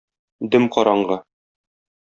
Дөм караңгы.